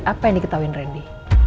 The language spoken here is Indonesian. apa yang diketahuin randy